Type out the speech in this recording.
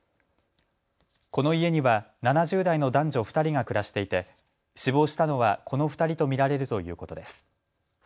この家には７０代の男女２人が暮らしていて死亡したのはこの２人と見られるということです。